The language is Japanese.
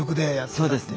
そうですね。